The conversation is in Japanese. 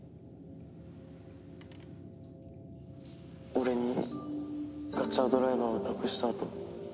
俺にガッチャードライバーを託したあと。